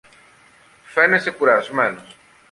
φαίνεσαι κουρασμένος